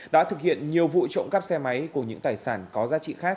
đã thực hiện nhiều vụ trộm cắp xe máy cùng những tài sản có giá trị khác